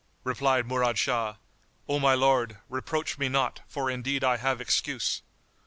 Replied Murad Shah, "O my lord, reproach me not, for indeed I have excuse."